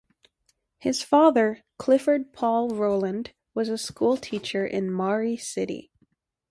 His father, Clifford Paul Roland, was a schoolteacher in Maury City.